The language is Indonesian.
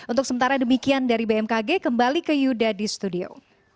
untuk sementara demikian dari bmkg kembali ke yuda di studio